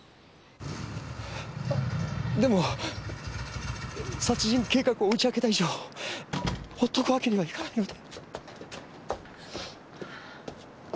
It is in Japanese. でも殺人計画を打ち明けた以上放っとくわけにはいかないので。